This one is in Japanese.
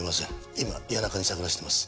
今谷中に探らせています。